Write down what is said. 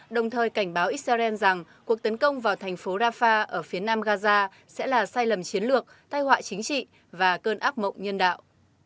đồng thời cảnh báo israel rằng cuộc tấn công vào thành phố rafah ở phía nam gaza sẽ là sai lầm chiến lược tai họa chính trị và cơn ác mộng nhân đạo